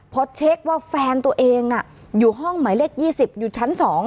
พอเช็คว่าแฟนตัวเองอยู่ห้องหมายเลข๒๐อยู่ชั้น๒